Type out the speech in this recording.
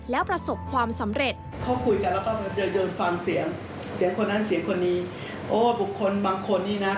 แล้วประสบความสุขของคน